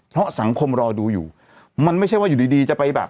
เพราะสังคมรอดูอยู่มันไม่ใช่ว่าอยู่ดีดีจะไปแบบ